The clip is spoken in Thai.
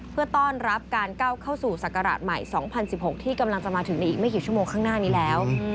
เพื่อต้อนรับการก้าวเข้าสู่ศักราชใหม่๒๐๑๖ที่กำลังจะมาถึงในอีกไม่กี่ชั่วโมงข้างหน้านี้แล้ว